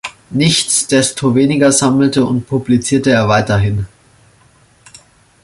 Nichtsdestoweniger sammelte und publizierte er weiterhin.